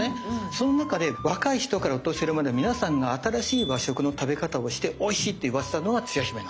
その中で若い人からお年寄りまで皆さんが新しい和食の食べ方をしておいしいって言わせたのはつや姫なんです！